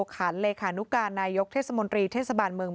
เคารพกันบ้าง